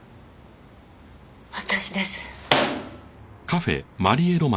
私です。